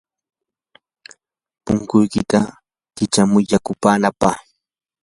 punkuykiyta kichamuy yaykunapaq.